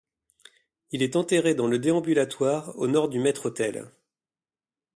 Il est enterré dans le déambulatoire, au nord du maître-autel.